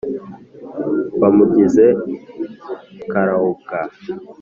«bamugize karobwa!»